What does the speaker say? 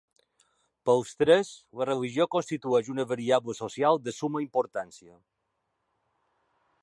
Pels tres, la religió constitueix una variable social de summa importància.